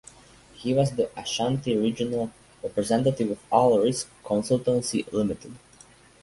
He was the Ashanti Regional Representative of All Risk Consultancy Limited.